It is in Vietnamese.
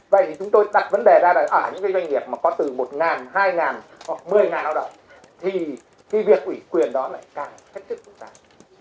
vậy thì chúng tôi đặt vấn đề ra là ở những cái doanh nghiệp mà có từ một hai hoặc một mươi đạo động thì việc quý quyền đó lại càng thích thức